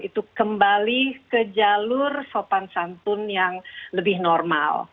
itu kembali ke jalur sopan santun yang lebih normal